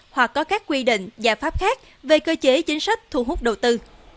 hoặc có các quy định giải pháp khác về cơ chế chính sách thu hút đầu tư